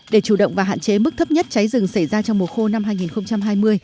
để chủ động và hạn chế mức thấp nhất cháy rừng xảy ra trong mùa khô năm hai nghìn hai mươi